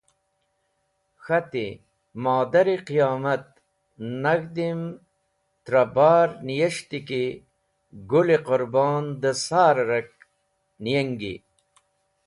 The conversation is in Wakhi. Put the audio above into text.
K̃hati: “Modar-e qiyomat! Nag̃hdim trẽ bar niyes̃hti ki Gũl-e Qũrbon dẽ Sar-e Ark niyengi.